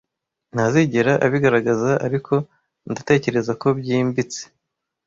Ntazigera abigaragaza, ariko ndatekereza ko byimbitse,